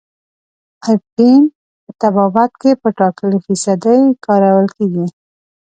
اپین په طبابت کې په ټاکلې فیصدۍ کارول کیږي.